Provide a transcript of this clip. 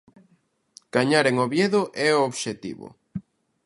Gañar en Oviedo é o obxectivo.